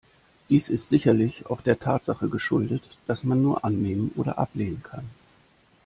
Dies ist sicherlich auch der Tatsache geschuldet, dass man nur annehmen oder ablehnen kann.